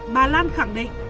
bà lan khẳng định